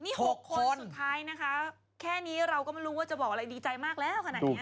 นี่๖คนสุดท้ายนะคะแค่นี้เราก็ไม่รู้ว่าจะบอกอะไรดีใจมากแล้วขนาดนี้